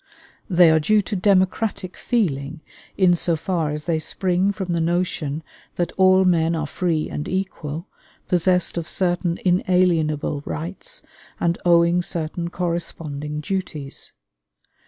They are due to democratic feeling, in so far as they spring from the notion that all men are free and equal, possessed of certain inalienable rights and owing certain corresponding duties.